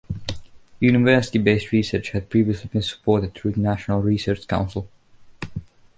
University-based research had previously been supported through the National Research Council.